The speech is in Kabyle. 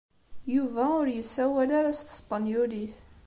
Yuba ur yessawal ara s tespenyulit.